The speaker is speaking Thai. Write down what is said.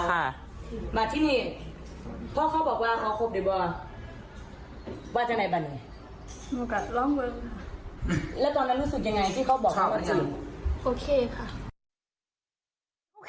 ว่าจะไปไหนบันนึง